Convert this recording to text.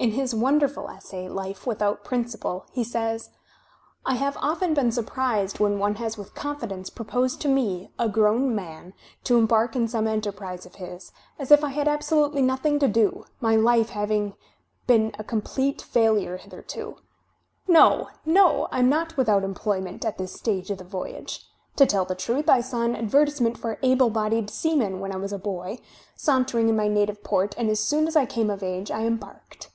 In his wonderful essay, "life Without Principle," he says: "I have often been surprised when one has with confidence proposed to me, a grown man, to embark in some enterprise of his, as if I had absolutely nothing to do, my life having been a complete failure hitherto. ... No, no! I am not without employment at this stage of the voyage. To tell the truth, I saw an advertisement for able bodied seamen, when I was a boy, sauntering in my native port, and as soon as I came of age, I embarked."